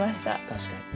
確かに。